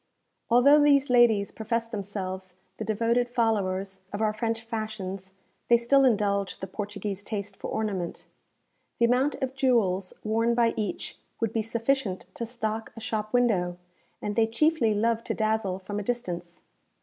Although these ladies profess themselves the devoted followers of our French fashions, they still indulge the Portuguese taste for ornament. The amount of jewels worn by each would be sufficient to stock a shop window; and they chiefly love to dazzle from a distance.